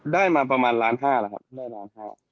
ได้มาประมาณ๑๕ล้านครับได้๑๕ล้าน